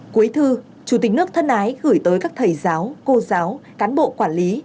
cuối thư chủ tịch nước thân ái gửi tới các thầy giáo cô giáo cán bộ quản lý